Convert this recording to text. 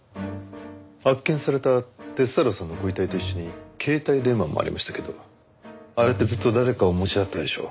発見された鐵太郎さんのご遺体と一緒に携帯電話もありましたけどあれってずっと誰かお持ちだったでしょ？